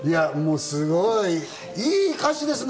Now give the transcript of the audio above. すごいいい歌詞ですね。